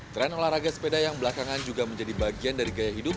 tren olahraga sepeda yang belakangan juga menjadi bagian dari gaya hidup